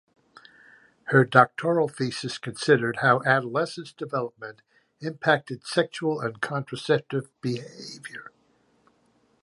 Her doctoral thesis considered how adolescent development impacted sexual and contraceptive behaviour.